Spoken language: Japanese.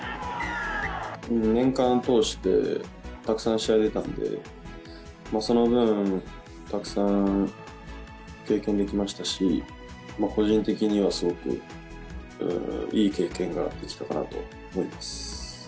年間通して、たくさん試合出たんで、その分、たくさん経験できましたし、個人的にはすごくいい経験ができたかなと思います。